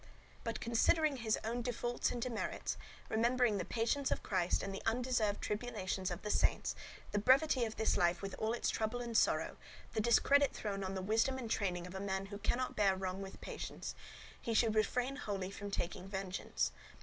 But, considering his own defaults and demerits, — remembering the patience of Christ and the undeserved tribulations of the saints, the brevity of this life with all its trouble and sorrow, the discredit thrown on the wisdom and training of a man who cannot bear wrong with patience — he should refrain wholly from taking vengeance.